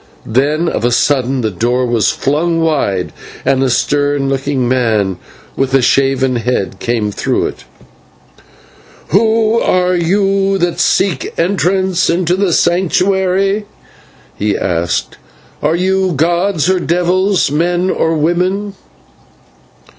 Then of a sudden the door was flung wide, and a stern looking man with a shaven head came through it. "Who are you that seek entrance into the Sanctuary?" he asked; "are you gods or devils, men or women?"